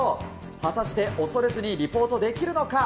果たして恐れずにリポートできるのか。